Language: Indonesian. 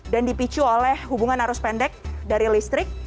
dipicu oleh hubungan arus pendek dari listrik